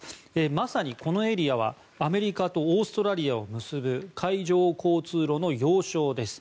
まさにこのエリアはアメリカとオーストラリアを結ぶ海上交通路の要衝です。